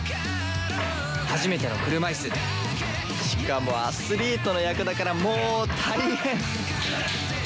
初めての車いすしかもアスリートの役だからもう大変！